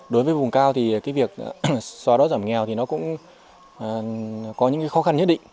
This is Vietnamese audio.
đối với vùng cao thì cái việc xóa đói giảm nghèo thì nó cũng có những khó khăn nhất định